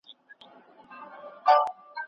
د افغان غالیو لپاره د سعودي عربستان بازار څنګه دی؟